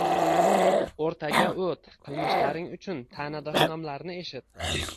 — O‘rtaga o‘t, qilmishlaring uchun ta’na-dashnomlarni eshit